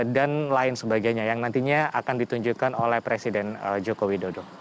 dan lain sebagainya yang nantinya akan ditunjukkan oleh presiden jokowi dodo